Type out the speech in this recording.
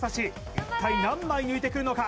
一体何枚抜いてくるのか？